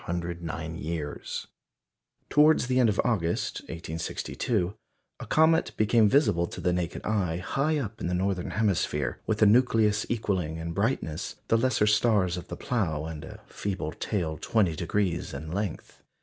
Towards the end of August, 1862, a comet became visible to the naked eye high up in the northern hemisphere, with a nucleus equalling in brightness the lesser stars of the Plough and a feeble tail 20° in length.